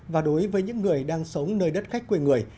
và đối với những người đang sống nơi đất khách quê người